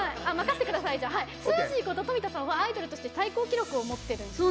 すーじーこと富田さんはアイドルとして最高記録を持ってるんですよね。